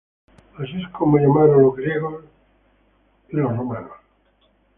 Así es como llamaron los griegos y luego los romanos.